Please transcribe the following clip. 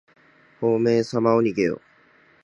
ほうめいさまおにげよ。